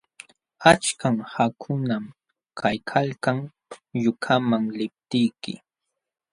Achka qaqakunam kaykalkan yunkaman liptiyki.